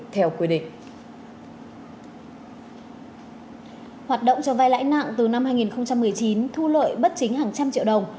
theo quy định hoạt động cho vai lãi nặng từ năm hai nghìn một mươi chín thu lợi bất chính hàng trăm triệu đồng